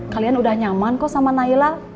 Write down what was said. kalian udah nyaman kok sama naila